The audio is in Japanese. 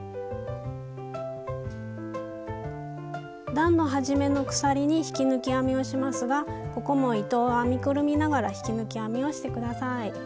段の始めの鎖に引き抜き編みをしますがここも糸を編みくるみながら引き抜き編みをして下さい。